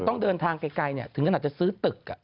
ต้องเดินทางไกลถึงขนาดจะซื้อตึก